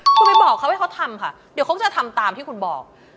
คุณไปบอกเขาให้เขาทำค่ะเดี๋ยวเขาจะทำตามที่คุณบอก